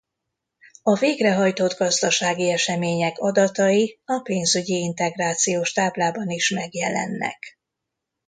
A végrehajtott gazdasági események adatai a pénzügyi integrációs táblában is megjelennek.